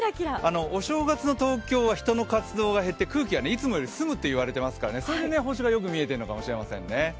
お正月の東京は人の活動が減っていつもより澄むと言われてますからそれで星がよく見えているのかもしれませんね。